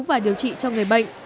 và điều trị cho người bệnh